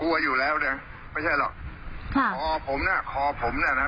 กลัวอยู่แล้วนะฮะไม่ใช่หรอกฮ่าคอผมน่ะคอผมน่ะนะฮะ